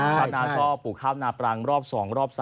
ชาวนาชอบปลูกข้าวนาปรังรอบ๒รอบ๓